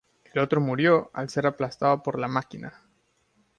El otro murió al ser aplastado por la máquina.